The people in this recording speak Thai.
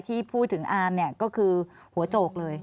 ที่พูดถึงอามเนี่ยก็คือหัวโจกเลย